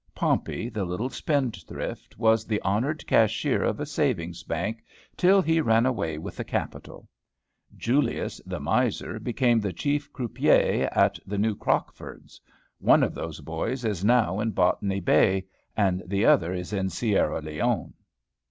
Pompey, the little spendthrift, was the honored cashier of a savings bank, till he ran away with the capital. Julius, the miser, became the chief croupier at the New Crockford's. One of those boys is now in Botany Bay, and the other is in Sierra Leone!